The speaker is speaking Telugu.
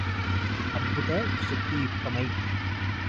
అద్భుతశక్తియుక్తమై